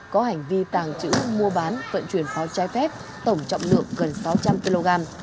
có hành vi tàng trữ mua bán vận chuyển pháo trái phép tổng trọng lượng gần sáu trăm linh kg